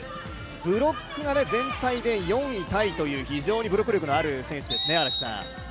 ブロックが全体で４位タイという非常にブロック力のある選手ですね。